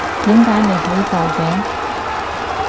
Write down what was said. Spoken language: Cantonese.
點解你喺度嘅？